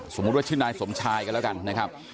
สมมุติว่าชื่นนายสมชายก็แล้วกันนะครับ